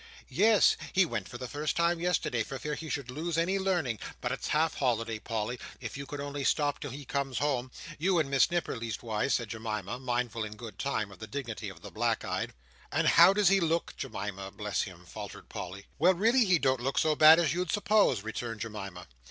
"Yes. He went for the first time yesterday, for fear he should lose any learning. But it's half holiday, Polly: if you could only stop till he comes home—you and Miss Nipper, leastways," said Jemima, mindful in good time of the dignity of the black eyed. "And how does he look, Jemima, bless him!" faltered Polly. "Well, really he don't look so bad as you'd suppose," returned Jemima.